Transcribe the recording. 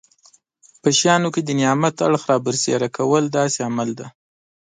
په شیانو کې د نعمت اړخ رابرسېره کول داسې عمل دی.